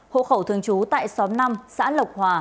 hộ khẩu thương chú tại xóm năm xã lộc hòa